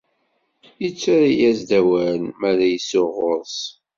Ittarra-as-d awal mi ara isuɣ ɣur-s.